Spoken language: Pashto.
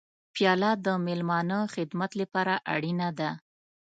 پیاله د میلمانه خدمت لپاره اړینه ده.